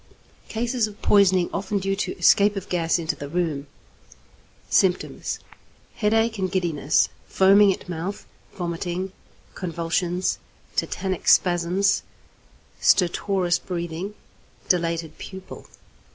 Cases of poisoning often due to escape of gas into the room. Symptoms. Headache and giddiness, foaming at mouth, vomiting, convulsions, tetanic spasms, stertorous breathing, dilated pupil.